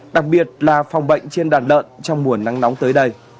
đặc biệt là phòng bệnh trên đàn lợn trong mùa nắng nóng tới đây